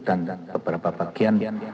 dan beberapa bagian